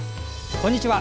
こんにちは。